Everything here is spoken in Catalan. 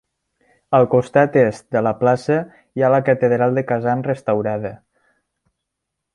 Al costat est de la plaça hi ha la catedral de Kazan restaurada.